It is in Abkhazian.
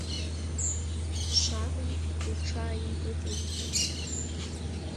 Шара лҽааимпыҵылжәеит.